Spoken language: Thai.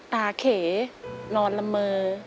เขนอนละเมอ